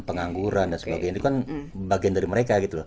pengangguran dan sebagainya ini kan bagian dari mereka